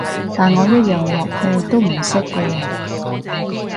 但我一樣樂器都唔識㗎喎